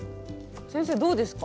先生どうですか？